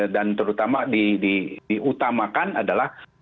dan terutama diutamakan adalah